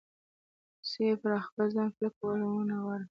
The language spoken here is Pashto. کوسۍ یې پر خپل ځان کلکه راونغاړله.